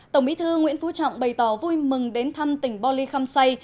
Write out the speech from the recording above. tổng bí thư nguyễn phú trọng bày tỏ vui mừng đến thăm tỉnh bò lì khăm xây